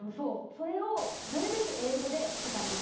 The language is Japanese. それをなるべく英語で答えます。